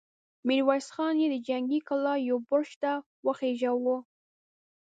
ميرويس خان يې د جنګي کلا يوه برج ته وخېژاوه!